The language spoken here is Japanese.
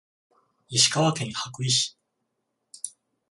石川県羽咋市